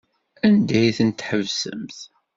Anda ay tent-tḥebsemt?